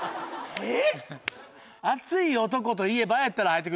えっ！